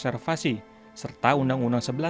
sehingga kita bisa memiliki kekuatan yang berbeda